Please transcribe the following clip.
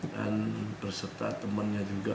dan berserta temannya juga